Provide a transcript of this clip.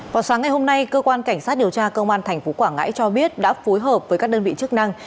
vào sáng ngày hôm nay cơ quan cảnh sát điều tra công an tp quảng ngãi cho biết đã phối hợp với các đơn vị chức năng